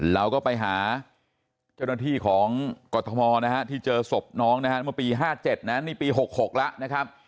เราก็ไปหาเจ้าหน้าที่ของกรทมนะฮะที่เจอศพน้องนะฮะเมื่อปี๕๗นะนี่ปี๖๖แล้วนะครับ